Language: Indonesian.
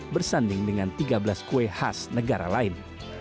bersanding dengan tiga belas kue khas negara lain